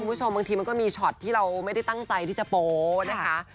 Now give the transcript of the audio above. บางทีมันก็มีช็อตที่เราไม่ได้ตั้งใจที่จะโป๊นะคะ